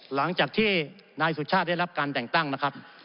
หลังจากที่นายสุชาติได้รับการแต่งตั้งนะครับ